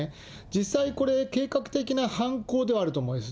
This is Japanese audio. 実際、これ、計画的な犯行ではあると思うんです。